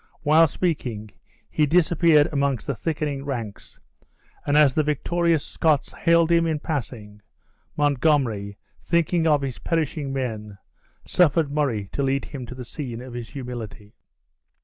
While speaking, he disappeared amongst the thickening ranks; and as the victorious Scots hailed him in passing, Montgomery, thinking of his perishing men, suffered Murray to lead him to the scene of his humility.